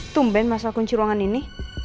tumben masalah kunci ruangan ini